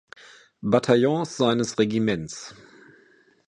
Bataillons seines Regiments.